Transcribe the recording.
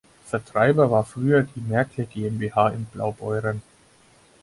Vertreiber war früher die Merckle GmbH in Blaubeuren.